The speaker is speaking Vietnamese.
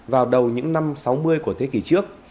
vào đầu những năm sáu mươi của thế kỷ trước